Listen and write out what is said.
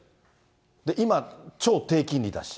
今、超低金利だし。